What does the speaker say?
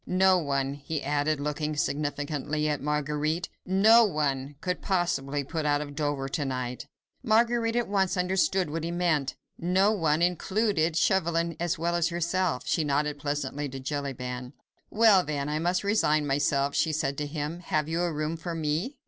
No one," he added, looking significantly at Marguerite, "no one could possibly put out of Dover to night." Marguerite at once understood what he meant. No one included Chauvelin as well as herself. She nodded pleasantly to Jellyband. "Well, then, I must resign myself," she said to him. "Have you a room for me?"